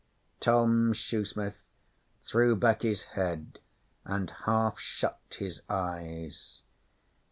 "' Tom Shoesmith threw back his head and half shut his eyes.